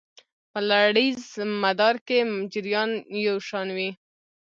په لړیز مدار کې جریان یو شان وي.